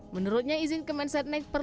menurutnya izin kemensetnek